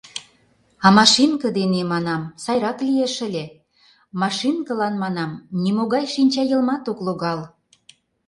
А машинке дене, манам, сайрак лиеш ыле: машинкылан, манам, нимогай шинча-йылмат ок логал.